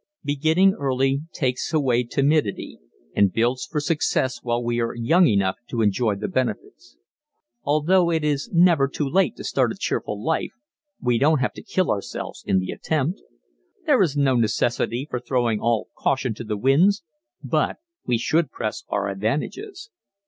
_ Beginning early takes away timidity and builds for success while we are young enough to enjoy the benefits. Although it is never too late to start a cheerful life we don't have to kill ourselves in the attempt. There is no necessity for throwing all caution to the winds, but we should press our advantages.